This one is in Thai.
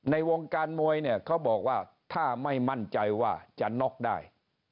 ในวงการมวยเนี่ยเขาบอกว่าถ้าไม่มั่นใจว่าจะน็อกได้